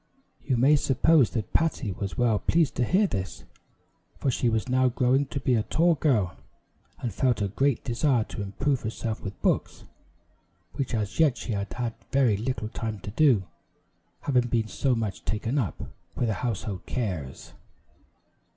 You may suppose that Patty was well pleased to hear this, for she was now growing to be a tall girl, and felt a great desire to improve herself with books, which as yet she had had very little time to do, having been so much taken up with her household cares.